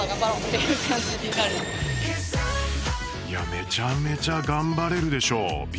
めちゃめちゃ頑張れるでしょう。